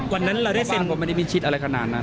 วันนั้นเราได้เซ็นผมไม่ได้มิดชิดอะไรขนาดนั้น